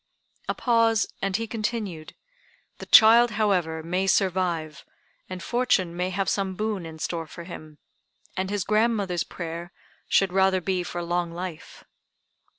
A pause, and he continued, "The child, however, may survive, and fortune may have some boon in store for him; and his grandmother's prayer should rather be for long life."